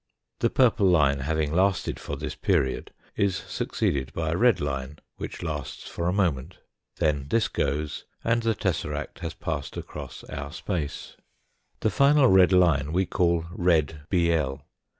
The purple line having lasted for this period is succeeded by a red line, which lasts for a moment ; then this goes and the tesseract has passed across our space. The final red line we call red bl.